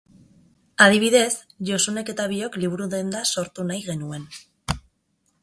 Adibidez, Josunek eta biok liburu-denda sortu nahi genuen.